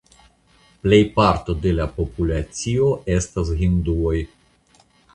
Plejparto de la populacio estas hinduoj.